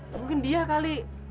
mungkin dia kali